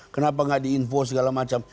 kenapa nggak diinfo segala macam